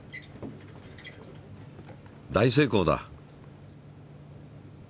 大成功だ。